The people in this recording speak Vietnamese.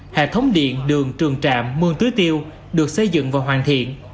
hệ thống điện đường trường trạm mương tưới tiêu được xây dựng và hoàn thiện